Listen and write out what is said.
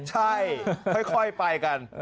ใช่ค่อยไปกัน